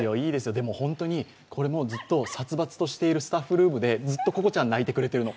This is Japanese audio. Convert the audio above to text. でもこれ、ずっと殺伐としているスタッフルームでずっとココちゃん鳴いてくれてるの。